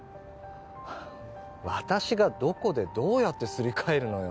私がどこでどうやってすり替えるのよ？